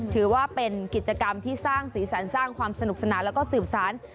ถือว่าเป็นกิจกรรมที่สร้างสีสันสร้างความสนุกสนานแล้วก็สืบสาร